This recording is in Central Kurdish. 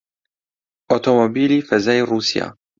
ئۆتۆمۆبیلی فەزای ڕووسیا